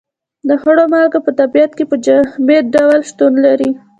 د خوړو مالګه په طبیعت کې په جامد ډول شتون لري.